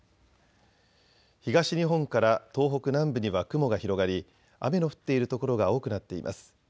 東日本から東北南部には雲が広がり、雨の降っている所が多くなっています。